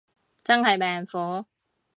真係命苦